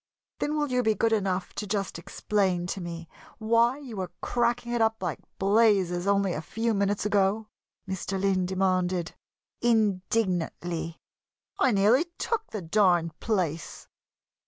"Then will you be good enough to just explain to me why you were cracking it up like blazes only a few minutes ago?" Mr. Lynn demanded, indignantly. "I nearly took the darned place!"